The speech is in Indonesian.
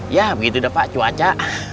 ya begitu udah pak cuaca